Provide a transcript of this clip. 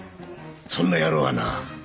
そんな野郎はな